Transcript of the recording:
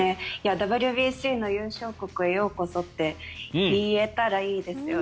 ＷＢＣの優勝国へようこそって言えたらいいですよね。